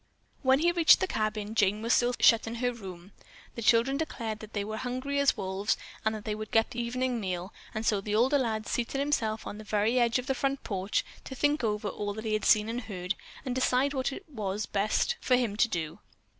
When he reached the cabin, Jane was still shut in her room. The children declared that they were hungry as wolves and that they would get the evening meal, and so the older lad seated himself on the edge of the front porch to think over all that he had seen and heard, and decide what it would be best for him to do.